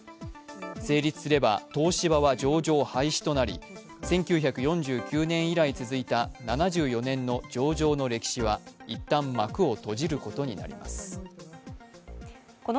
成立すれば東芝は上場廃止となり１９４９年以来続いた７４年の上場の歴史は、一旦幕を閉じることになります。